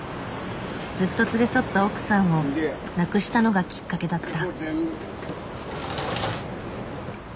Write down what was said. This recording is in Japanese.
ずっと連れ添った奥さんを亡くしたのがきっかけだった。